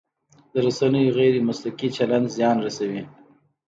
د رسنیو غیر مسلکي چلند زیان رسوي.